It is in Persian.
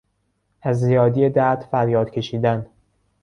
از زیادی درد فریاد کشیدن